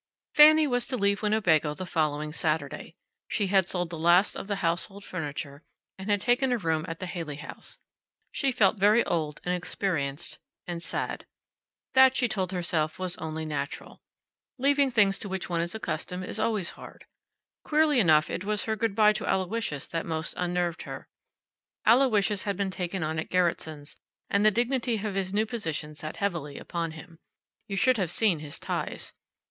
Fanny was to leave Winnebago the following Saturday. She had sold the last of the household furniture, and had taken a room at the Haley House. She felt very old and experienced and sad. That, she told herself, was only natural. Leaving things to which one is accustomed is always hard. Queerly enough, it was her good by to Aloysius that most unnerved her. Aloysius had been taken on at Gerretson's, and the dignity of his new position sat heavily upon him. You should have seen his ties.